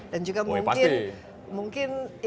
dan juga mungkin